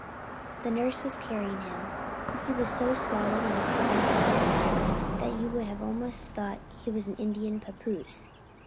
The nurse was carrying him. He was so swaddled in his fine clothes that you would have almost thought he was an Indian pappoose.